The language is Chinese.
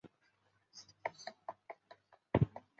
红山脉的北端连接英格林山脉甚远。